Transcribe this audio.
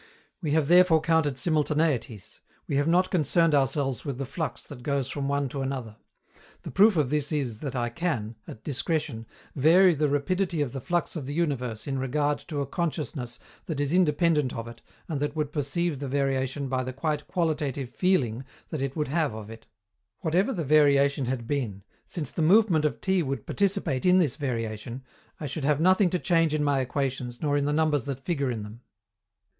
We have therefore counted simultaneities; we have not concerned ourselves with the flux that goes from one to another. The proof of this is that I can, at discretion, vary the rapidity of the flux of the universe in regard to a consciousness that is independent of it and that would perceive the variation by the quite qualitative feeling that it would have of it: whatever the variation had been, since the movement of T would participate in this variation, I should have nothing to change in my equations nor in the numbers that figure in them.